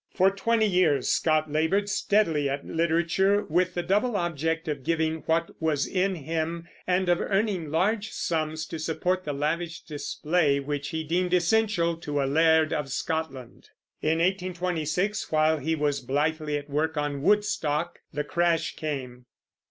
For twenty years Scott labored steadily at literature, with the double object of giving what was in him, and of earning large sums to support the lavish display which he deemed essential to a laird of Scotland. In 1826, while he was blithely at work on Woodstock, the crash came.